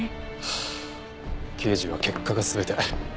あ刑事は結果が全て。